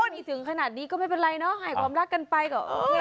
มีถึงขนาดนี้ก็ไม่เป็นไรเนอะให้ความรักกันไปก็